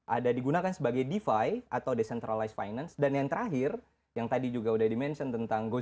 ada digunakan sebagai defi atau decentralized finance dan yang terakhir yang tadi juga udah di mention tentang gojira